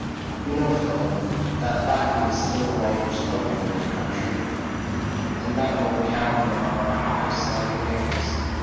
You know, Philip, that Latin is still the language spoken in that country; and that will account for our high sounding names.